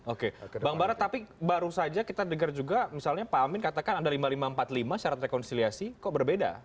oke bang barat tapi baru saja kita dengar juga misalnya pak amin katakan ada lima ribu lima ratus empat puluh lima syarat rekonsiliasi kok berbeda